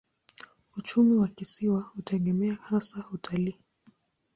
Uchumi wa kisiwa hutegemea hasa utalii.